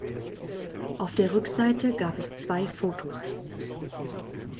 Auf der Rückseite gab es zwei Fotos.